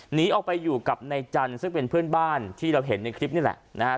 หนีออกไปอยู่กับนายจันทร์ซึ่งเป็นเพื่อนบ้านที่เราเห็นในคลิปนี่แหละนะฮะ